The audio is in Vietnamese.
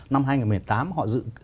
năm hai nghìn một mươi tám họ dự